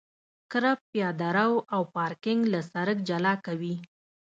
کرب پیاده رو او پارکینګ له سرک جلا کوي